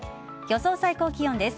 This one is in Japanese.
予想最高気温です。